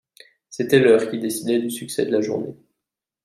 C’était l’heure qui décidait du succès de la journée.